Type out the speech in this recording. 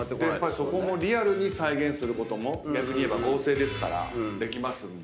そこもリアルに再現することも逆に言えば合成ですからできますんで。